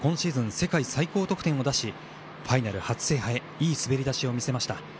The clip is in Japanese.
世界最高得点を出しファイナル初制覇へいい滑り出しを見せました。